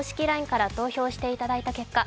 ＬＩＮＥから投票していただいた結果、